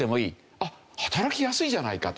あっ働きやすいじゃないかと。